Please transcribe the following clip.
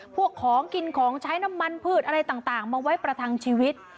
ของกินของใช้น้ำมันพืชอะไรต่างมาไว้ประทังชีวิต